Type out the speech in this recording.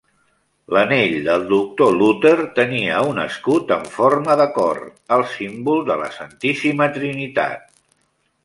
L'anell del doctor Luther tenia un escut en forma de cor, el símbol de la Santíssima Trinitat.